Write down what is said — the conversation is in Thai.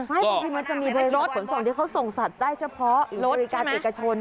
บางทีมันจะมีรถขนส่งที่เขาส่งสัตว์ได้เฉพาะบริการเอกชน